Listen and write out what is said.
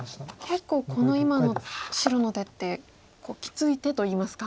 結構この今の白の手ってきつい手といいますか。